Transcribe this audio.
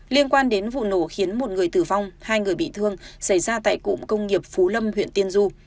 liên quan đến vụ nổ khiến một người tử vong hai người bị thương xảy ra tại cụm công nghiệp phú lâm huyện tiên du